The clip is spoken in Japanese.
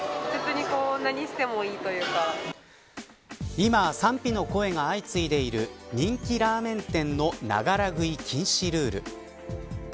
今、賛否の声が相次いでいる人気ラーメン店のながら食い禁止ルール。